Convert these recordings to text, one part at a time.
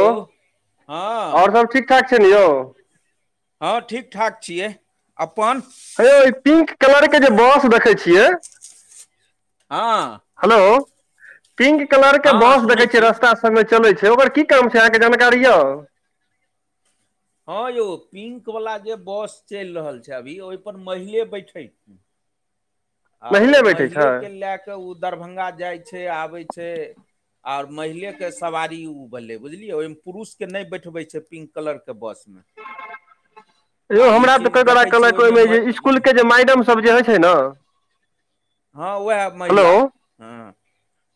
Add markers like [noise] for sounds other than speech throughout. Hello हँ और सब ठीक ठाक छै न यौ हँ ठीक ठाक छियै अपन हयौ इ -पिंक कलर के जे बॉस देखै छियै हँ हेलो पिंक कलर के हँ बस सुनै देखै छियै छी रस्ता से मे चलै छै ओकर की काम छै अहाँके जानकारी य हँ यौ पिंक वाला जे बस चल रहल छै अभी ओ पर महिले बैठे आओर नहिले बैठे छै महिलेकेँ लए कऽ ओ दरभंगा जाइ छै आबै छै आर महिले के सवारी उ भेले बुझलिये ओहिमे पुरुष के नहि बैठबे छै पिंक कलर के बस बस मे यौ हमरा तऽ क तोरा कहलक ओहिमे जे म- इसकुलके जे मैडम सभ जे होइ छै ने हँ उएह हेलो महिला ह हँ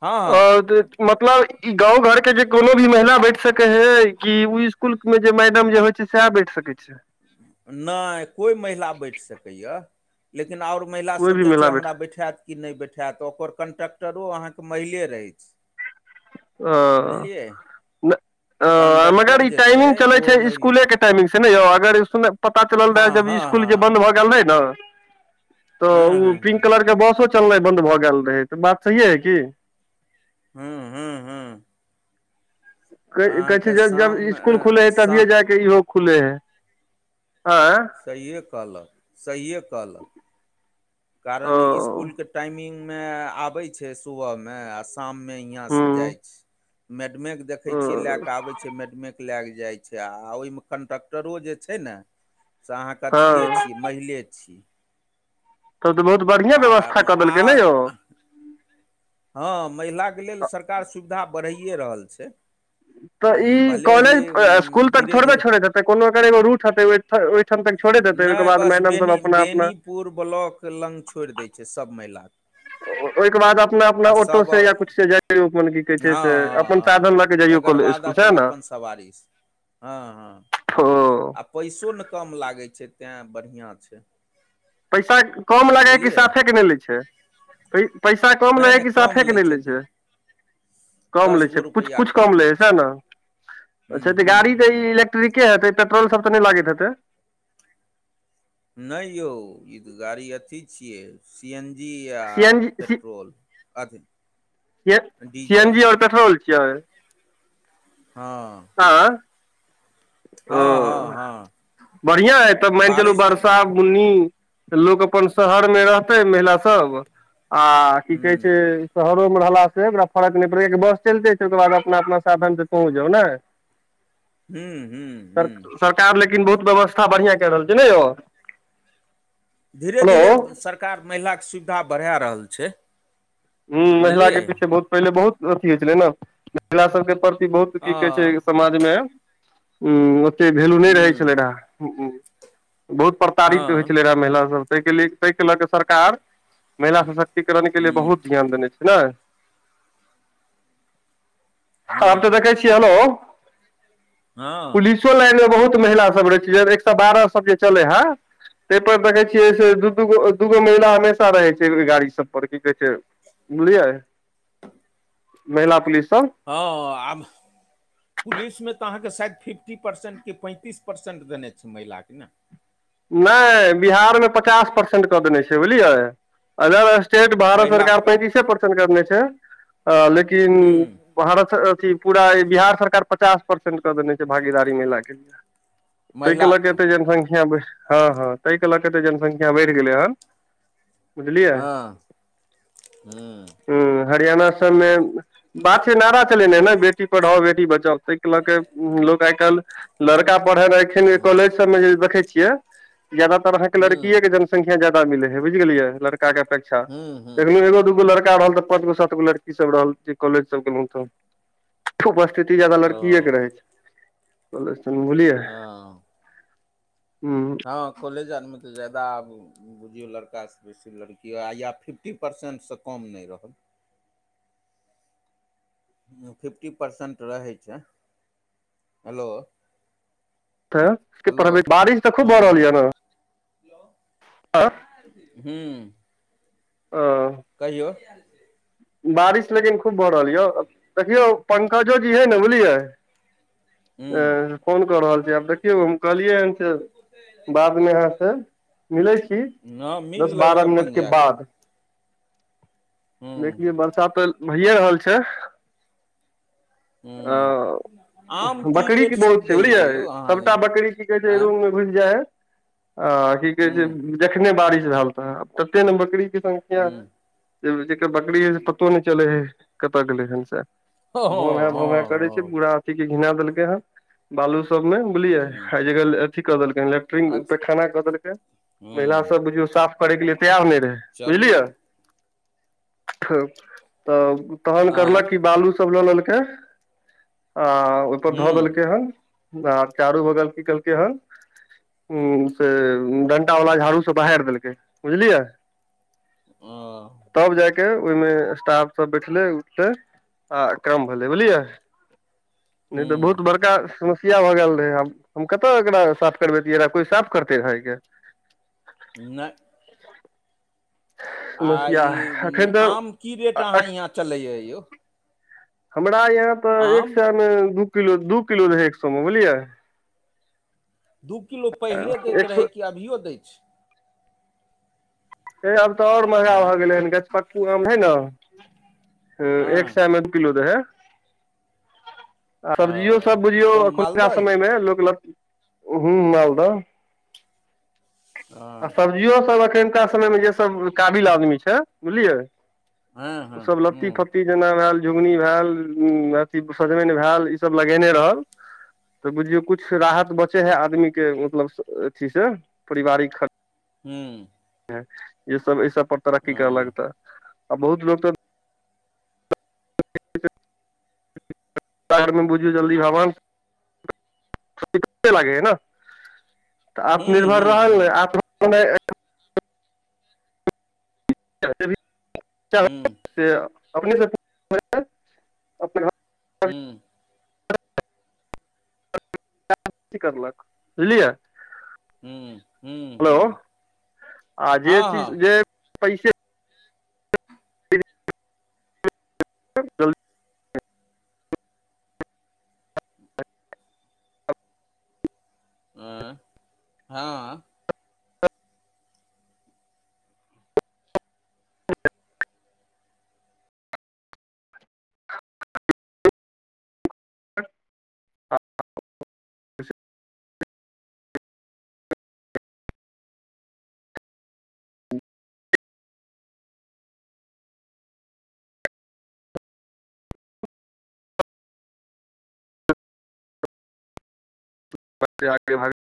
हँ मतलब ई गाँंव घर के जे कोनो भी महिला बैठ सकै हे कि ओ स्कुल में जे मैडम जे होइ छै सएह बैठ सकैत छ नहि कोइ महिला बैठ सकैय लेकिन आओर महिला कोइ सब भी जेऽ महिला छै बैठ हमरा बैठाएत की नहि बैठायत ओकर कंट्रक्टरो अहाँके महिले रहै छै बुझलियै मगर कंडक्टर ई जे छै टाइमिंग चलै ओहो छै महिले स्कुलके टाइमिंग से न यौ अगर स्कुल मे पता चलल हँ रहै जब हँ इ स्कुल जे हँ बन्द भ गेल रहै न तऽ हँ ओ हँ हँ पिंक कलरके बसो चलनाइ बन्द भऽ गेल रहै तऽ बात सहिए हइ की हूँ हू हू कहै छै जब जब शाममे इसकुल खुले हय तभिए शाम जायके इहो खुले हैं सहिये कहलक सहिे कहलक ओ कारण इसकुलके टाइमिंगमे आबैत छै सुबहमे आ शाइते यहाॅ लैक जा हूँ छै मैड देखै ओ छियै लए आबै छै ला के जाए छै ओमे टेकटरो जे छै न से अहाँ के अथिए हँ छिये महिले छी तब त बहुत बढ़िये आ व्यस्था क आ देलकै ने यौ हँ महिला के लेल सरकार सुविधा बढ़ैए रहल छै तऽ ई भले ही कॉलेज स्कुल तक धीरे थोड़बे धीरे छोड़ हेतै कोनो एकर एगो रूट हेतै तक छोड़े देतै ओहिके बाद मैडम सब अपना अपना पुर ब्लॉक लग छोड़ि दै छै सब महिलाके ओहिके बाद अपना अपना आ ऑटो से या सभ कुछ से जाय की कहै हँ छै से अपन हँ साधन लऽ क हँ जइयौ एकर काॅलेज बाद सहे अपन ने अपन सवारी से। हँ ओ हँ पैसो ने कम लागै छै तैँ बढ़िआँ छै पैसा कम लागै कि बुझलियै साफेके नहि लै छै पै पैसा कम लै नहि नहि हइ कि कम साफेके नहि लै छै कम लै छै कुछ कुछ कम लै छै सहे ने हूँ अच्छाऽ हूँ गाड़ी तऽ हूँ इलेक्ट्रिके हेतै पेट्रोलसभ तऽ नहि लागैत हेतै नहि यौ ई तऽ गाड़ी अथी छियै सी एन जी आ सी एन जी पेट्रोल अथी C A C N diesel G आओर पेट्रोल छियै हँ [unintelligible] हँ हँ हँ बारिश तऽ उन्नी त लोक अपन शहर मे रहतै महिला सब आ की कहै छै हूँ शहरो मे रहलास से ओकरा फक नहि पड़य बस चलते छै ओकर बाद अपना अपना साधन से पहुँच जाउ ने हूँ हूँ हूँ सरकार लेकिन बहुत व्यवस्था बढ़िआँ कए रहल छै नै यौ धीरे हेलो धीरे हूँ सरकार महिलाके सुविधा बढ़ाए रहल छै हूँ महिलाके बुझलियै पीछे बहुत पहिले बहुत अथी होइत छलै ने महिला सभके प्रति बहुत की कहै छै अ समाज मे ओत वै्लयू नहि रहै हूँ छलाह बहुत तारित होइ हँ छलै रह महिला सब ताहिके ताहि लऽ कऽ सरकार महिला सशक्तिकरण के लिए हूँ बहुत ध्यान छै ने आब हम तऽ हँ देखै छी हेलो हँ हँ पलिस पुलिसो लाइन मे बहुत महिला सब रहै छै एक सए बारह सब जे चलै हे ताहि पर देखे छियै से दू दूगो दूगो महिला हमेशा रहे छै गाड़ी सब पर की कहे छै बुझलियै महिला पुलिस सब हँ आब पुलिसमे तऽ अहाँके शायद फिफ्टी परसेन्ट कि पैंतीस परसेन्ट देने छै महिलाके ने नहि बिहारमे पचास परसेंट कऽ देने छै बुझलियै अदर स्टेट भारत सरकार महिलाके पैंतीसे परसेंट करने छै लेकिन हूँ वहाँ अथी पूरा बिहार सरकार पचास परसेंट क देने छै भागीदारी महिेलाक के लिए ताहिके लऽ कऽ महिलाके एतेक जनसंख्याढ़ हँ हँ ताहि के लऽ कऽ एतेक जनसंख्या बढ़ि गेलै हेन हँ हूँ हूँ हरियाणा सबमे बाते नारा चलेने ने बेटी पढ़ाओ बेटी बचाओ ताहिके लऽ कऽ लोक आइ काल्हि लड़का पढ़े रह एखन हूँ कॉलेज सबमे जे देखै छियै ज्यादातर अहाँ के लड़किय हूँ के जनसंख्या जादा मे ह बुझ गेलियै लड़का के अपेक्षा हूँ अच्छा हूँ देखलहु एगो दूगो लड़का रहल तऽ पाँच गो सात गो लड़की सब रहल जे कॉलेज सब गेलहुँ तऽ उपस्थिति जादाा लड़किएके ओ रहै छै बुझलियै हँ हँ हँ कोलेज आरमे तऽ जादा आबू बुझियौ लड़कासँ बेसी लड़की या फिफ्टी परसेन्टसँ कम नहि रहल फिफ्टी परसेन्ट रहै छै हेलो हेलो त बारिश तऽ खूब भऽ रहल हँ यऽ ने आ हूँ अं कहियौ बारिश लेकिन खूब भऽ रहल यए देखियौ पंकजो जी हेइ ने बुझलियै हूँ फोन कऽ रहल छी आब देखियौ हम कहलियै हन से बादमे अहाँसँ मिलै छी हँ मिल दस लेबै बारह अपन मिनट के जा कऽ बाद देखियौ हूँ बर्षा तऽ भैए रहल छै आ हूँ आम बकरी रेट की बहुत सब छै दैए बुझलियै यौ अहाँ सभटा दिन बकरी की कहै छै र आँय खुल जाइ ह आ की कहे छै हूँ जखने बारिश भेल तऽ तते ने बकरीेस हूँ जकर बकरी पतो नी चले हे केत गलेन हं से हँ भोन है भो है करै छै हँ पूरा अथी के घिना देलकै हे बालू सबं बुझलिये हँ ह जगह अथी क देलकै ह ल ट पे अच्छा खाना कऽ देलकै महिला हूँ सब बुझियऔ साफ करय के लिए तैयार नहि रहे चलू बुझलियै तऽ तहन आँय करलक कि बालू सब लऽ लेलकै आ ओपर धऽ हूँ देलकै हन आ चारू बगल की केलकै हेन उ से डंटा वाला झाड़ू से बहारि देलकै बुझलियै अं तब जायके ओहिमे स्टाफ सब बैठले उठले आ क्रम भेलै बुझलियै [inaudible] नहि तऽ बहुत बरक एक समस्या भऽ गेल रहैब हम कतऽ एकरा साफ करबेैतियै कोई साफ करते रहैके नयै आ समस्या ई एखन तऽ आम की रेट अहाँ यहाँ चलैए यौ हमरा यहाँ तऽ एक आम सएमे दू किलो दू किलो रहै एक सए मे बुझलियै दू किलो पहिले दैत एक सए रहै कि अभियो दैत छै हे आब तऽ आओर महगा भऽ आँय गेलै हन गछपक्कू आम हइ ने ह एक हँ सएमे दू किलो रहै आ सब्जियो सभ बुझियौ एखुनका समयमे लोक [unintelligible] ल हँ मालदह आ सब्जियो सभ एखुनका समयमे जेसभ काबिल आदमी छै बुझलियै ओ सब लत्ती फत्त ट्टी जेना भेल झुगनी भेल अथी सजमनि भेल ई सब लगेने रहल तऽ बुझियौ कुछ राहत बचे है आदमी के मतलब अथी से पारिवारिक खर्च हूंम्म जे सब एहि सब पर तरक्की कर लक तऽ आ बहुत लोक तऽ [unintelligible] [inaudible] [unintelligible] बुझियौ जल्दी भगवान [unintelligible] लागै है ने तऽ आत्मनिर्भर रहल नै आत्म ओने [unintelligible] से अपनेसँ अप घ [unintelligible] हूंम्म त [unintelligible] ल बुझलियै हेलो आ जे चीज जे [unintelligible] पैसे ल [unintelligible] आँय हँ ह [unintelligible] आ [unintelligible] बगे भ [unintelligible]